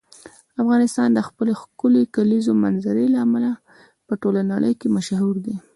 افغانستان د خپلې ښکلې کلیزو منظره له امله په ټوله نړۍ کې مشهور دی.